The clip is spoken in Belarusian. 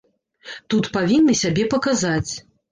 Тут павінны сябе паказаць.